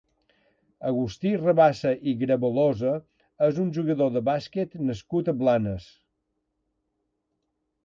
Agustí Rabassa Grabolosa és un jugador de bàsquet nascut a Blanes.